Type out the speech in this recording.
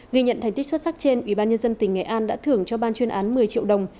ghi nhận thành tích xuất sắc trên ubnd tỉnh nghệ an đã thưởng cho ban chuyên án một mươi triệu đồng